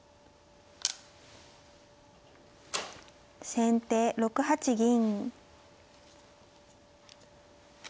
先手６八銀。